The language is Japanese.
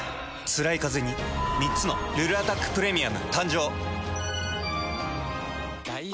つらいカゼに３つの「ルルアタックプレミアム」誕生。